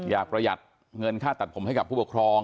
ประหยัดเงินค่าตัดผมให้กับผู้ปกครอง